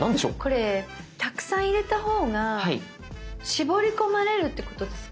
これたくさん入れた方が絞り込まれるってことですか？。